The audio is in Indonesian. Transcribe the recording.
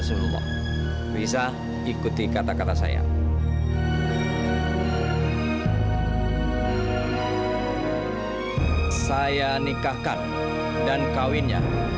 sampai jumpa di video selanjutnya